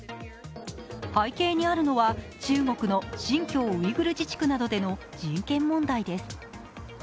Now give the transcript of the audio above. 背景にあるのは中国の新疆ウイグル自治区などでの人権問題です。